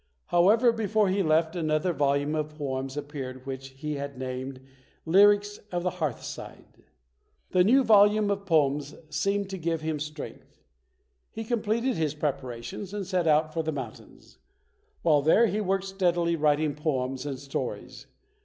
However, before he left, another volume of poems appeared which he had named "Lyrics of the Hearthside". The new volume of poems seemed to give him PAUL LAURENCE DUNBAR [ 57 strength. He completed his preparations and set out for the mountains. While there he worked steadily writing poems and stories.